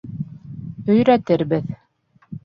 Өйрәтербеҙ.